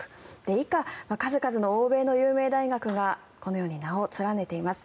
以下、数々の欧米の有名大学がこのように名を連ねています。